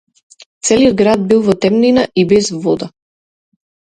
Целиот град бил во темнина и без вода.